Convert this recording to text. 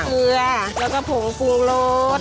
ฮแช่งเหลือแล้วก็ผมปรุงรส